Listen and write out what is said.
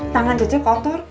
tangan cucu kotor